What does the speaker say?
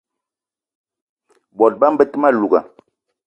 Bot bama be te ma louga